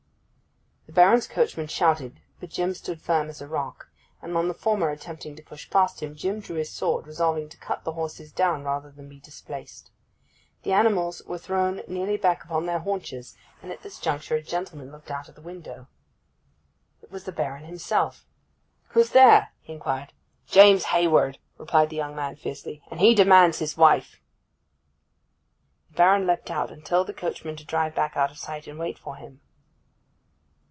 The Baron's coachman shouted, but Jim stood firm as a rock, and on the former attempting to push past him Jim drew his sword, resolving to cut the horses down rather than be displaced. The animals were thrown nearly back upon their haunches, and at this juncture a gentleman looked out of the window. It was the Baron himself. 'Who's there?' he inquired. 'James Hayward!' replied the young man fiercely, 'and he demands his wife.' The Baron leapt out, and told the coachman to drive back out of sight and wait for him.